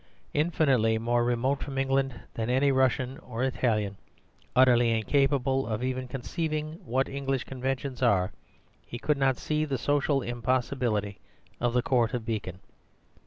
Infinitely more remote from England than any Russian or Italian, utterly incapable of even conceiving what English conventions are, he could not see the social impossibility of the Court of Beacon.